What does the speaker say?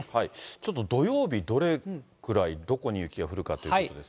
ちょっと土曜日、どれくらい、どこに雪が降るかということです